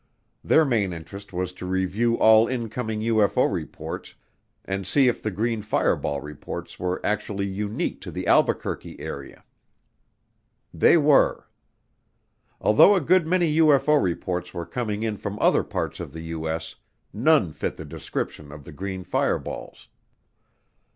Their main interest was to review all incoming UFO reports and see if the green fireball reports were actually unique to the Albuquerque area. They were. Although a good many UFO reports were coming in from other parts of the U.S., none fit the description of the green fireballs.